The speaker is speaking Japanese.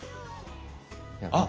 あっ